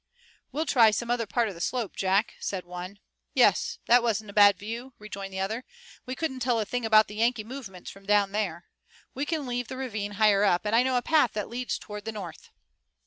"We'll try some other part of the slope, Jack," said one. "Yes, that was a bad view," rejoined the other. "We couldn't tell a thing about the Yankee movements from down there. We can leave the ravine higher up, and I know a path that leads toward the north."